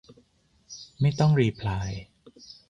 ไม่ต้องรีพลาย